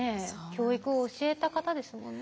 教育を教えた方ですもんね。